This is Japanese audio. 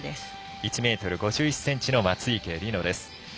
１ｍ５１ｃｍの松生理乃です。